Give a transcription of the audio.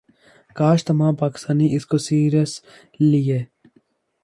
کاش تمام پاکستانی اس کو سیرس لیے